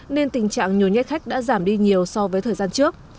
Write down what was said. nên tình trạng nhồi nhét khách đã giảm đi nhiều so với thời gian trước